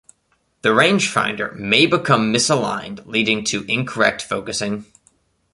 The rangefinder may become misaligned, leading to incorrect focusing.